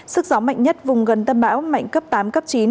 sức gió mạnh nhất vùng gần tâm bão mạnh cấp tám cấp chín